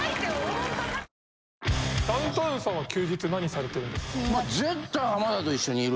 ダウンタウンさんは休日何されてるんですか？